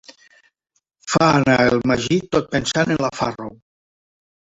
Fa anar el magí tot pensant en la Farrow.